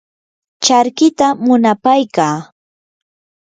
charkita munapaykaa.